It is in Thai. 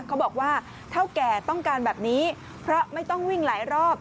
เขาบอกว่าเท่าแก่ต้องการแบบนี้เพราะไม่ต้องวิ่งหลายรอบ